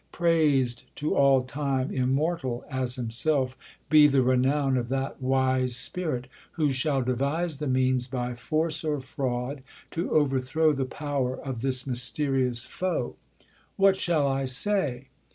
Prais'd to all time, Immortal as himself be the renown Of that wise spirit, who shall devise the means By force or fraud to overthrow the power Of this mysterious foe : what shall I say?